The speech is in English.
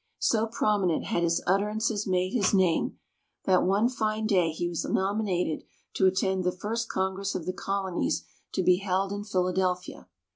So prominent had his utterances made his name, that one fine day he was nominated to attend the first Congress of the Colonies to be held in Philadelphia.